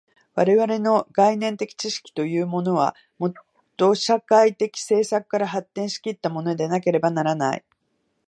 我々の概念的知識というのは、もと社会的制作から発展し来ったものでなければならない。